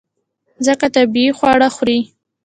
ځکه طبیعي خواړه خوري.